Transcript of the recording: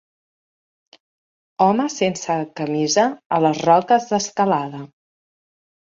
home sense camisa a les roques d'escalada